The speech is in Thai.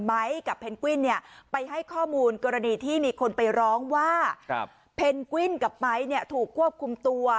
ไมค์กับเพนกวิ่นเนี่ยไปให้ข้อมูลที่มีคนไปร้องว่าเพนกวิ่นแกบไมค์ถูกควบคุมตัว